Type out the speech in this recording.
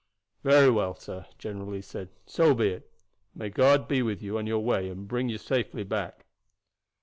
"Very well, sir," General Lee said. "So be it. May God be with you on your way and bring you safely back."